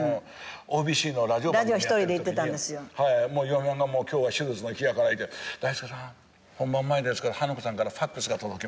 嫁はんが今日は手術の日やから言うて「大助さん本番前ですけど花子さんからファクスが届きました」